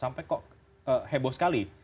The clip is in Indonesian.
sampai kok heboh sekali